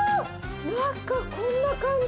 中こんな感じで。